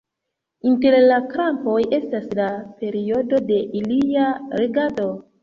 Inter la krampoj estas la periodo de ilia regado.